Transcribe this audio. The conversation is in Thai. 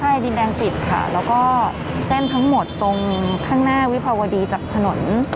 ใช่ดินแดงปิดค่ะแล้วก็เส้นทั้งหมดตรงข้างหน้าวิภาวดีจากถนน